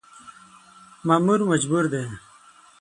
مامور مجبور دی .